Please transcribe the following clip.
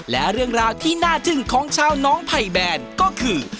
และเรื่องราวที่น่าจึ้งของชาวน้องไผ่แบนก็คือ